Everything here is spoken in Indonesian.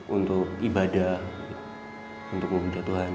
untuk ibadah untuk membeda tuhan